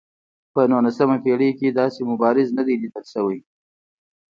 په نولسمه پېړۍ کې داسې مبارز نه دی لیدل شوی.